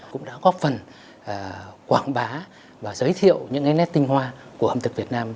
cũng đã góp phần quảng bá và giới thiệu những nét tinh hoa của ẩm thực việt nam